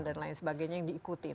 dan lain sebagainya yang diikuti